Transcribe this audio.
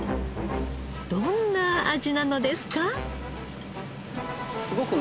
どんな味なのですか？